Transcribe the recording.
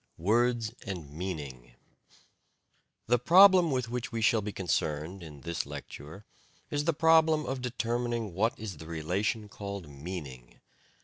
WORDS AND MEANING The problem with which we shall be concerned in this lecture is the problem of determining what is the relation called "meaning."